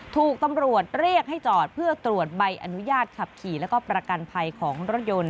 ถูกตำรวจเรียกให้จอดเพื่อตรวจใบอนุญาตขับขี่แล้วก็ประกันภัยของรถยนต์